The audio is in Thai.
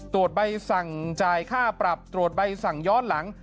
ใบสั่งจ่ายค่าปรับตรวจใบสั่งย้อนหลัง